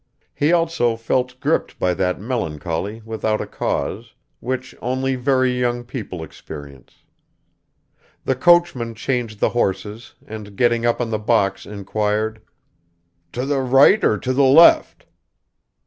He also felt gripped by that melancholy without a cause, which only very young people experience. The coachman changed the horses and getting up on to the box, inquired: "To the right or to the left?"